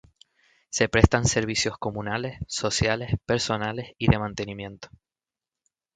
Se prestan servicios comunales, sociales, personales y de mantenimiento.